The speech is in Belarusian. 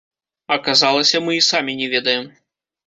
Аказалася, мы і самі не ведаем.